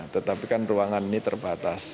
tetapi kan ruangan ini terbatas